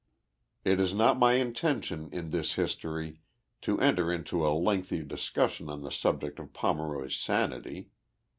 It is not my intention in this history to enter into a lengthy discussion on the subject of Pomeroy's sanity.